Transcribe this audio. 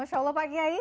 masya allah pak kiai